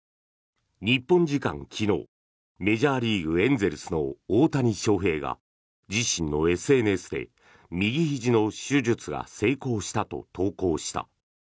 日本時間昨日、メジャーリーグエンゼルスの大谷翔平が、自身のＳＮＳで右ひじの手術が成功したと投稿した。